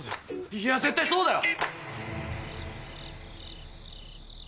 いや絶対そうだよ！